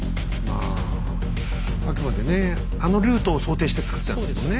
あくまでねあのルートを想定して造ったんですもんね。